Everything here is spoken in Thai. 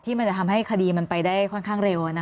มันจะทำให้คดีมันไปได้ค่อนข้างเร็ว